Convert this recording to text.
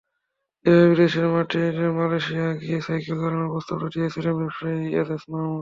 যেভাবে বিদেশের মাটিতেমালয়েশিয়ায় গিয়ে সাইকেল চালানোর প্রস্তাবটা দিয়েছিলেন ব্যবসায়ী এজাজ মাহমুদ।